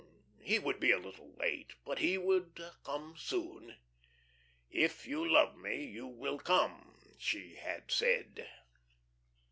He would be a little late, but he would come soon. "If you love me, you will come," she had said.